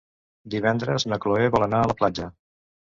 Divendres na Cloè vol anar a la platja.